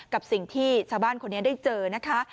กับสิ่งที่ชาวบ้านคนนี้ได้เจอนะคะ